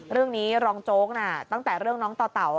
เรื่องนี้รองโจ๊กตั้งแต่เรื่องน้องต่อเต่า